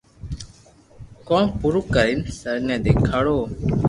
ڪوم پورو ڪرين سر نو دآکارو